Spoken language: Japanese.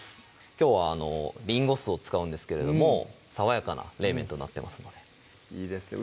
きょうはりんご酢を使うんですけれども爽やかな冷麺となってますのでいいですね